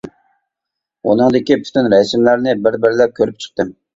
ئۇنىڭدىكى پۈتۈن رەسىملەرنى بىر-بىرلەپ كۆرۈپ چىقتىم.